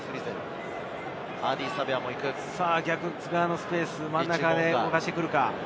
逆側のスペース、真ん中で動かしてくるか？